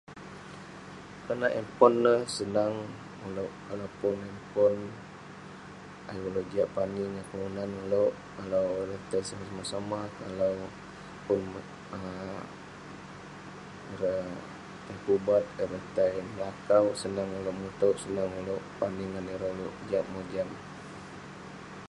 Konak handphone ineh sonang uluek kalau uluek pun ayuk oluek jiak pani ngan kelunan oluek tong somah-somah pun um ireh tai pubat ireh tai melakau senang oleuk pani ngan ireh yah mojam-mojam